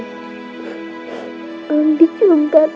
nanti juga tante